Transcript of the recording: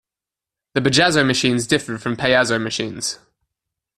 The bajazzo machines differed from payazzo machines.